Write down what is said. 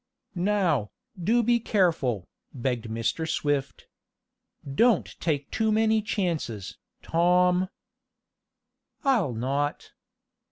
"Now, do be careful," begged Mr. Swift. "Don't take too many chances, Tom." "I'll not."